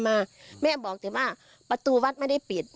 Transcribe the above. แม่บอกแต่ว่าประตูวัดไม่ได้ปิด